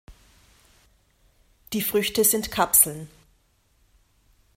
Die Früchte sind Kapseln.